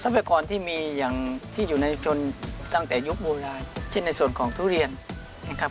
พากรที่มีอย่างที่อยู่ในชนตั้งแต่ยุคโบราณเช่นในส่วนของทุเรียนนะครับ